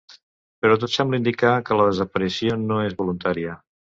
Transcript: Però tot sembla indicar que la desaparició no és voluntària.